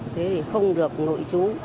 thế thì không được nội chú